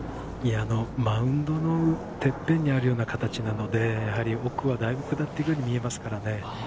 マウンドのてっぺんにあるような形なので、やはり奥はだいぶ下っているように見えますからね。